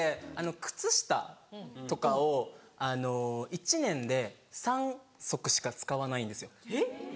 靴下とかを１年で３足しか使わないんですよ。